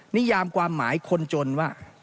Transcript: นิยามความหมายคนจนว่า